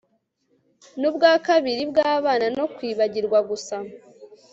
Nubwa kabiri bwabana no kwibagirwa gusa